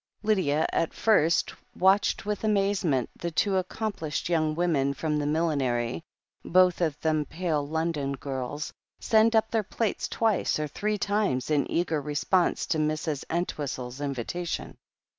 Lydia at first watched with amazement the two ac complished young women from the millinery, both of them pale London girls, send up their plates twice or three times, in eager response to Mrs. Entwhistle's invitation.